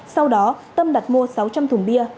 sau đó tâm đặt mua sáu trăm linh thùng bia